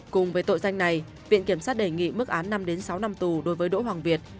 cùng với tội danh này viện kiểm sát đề nghị mức án năm sáu năm tù đối với đỗ hoàng việt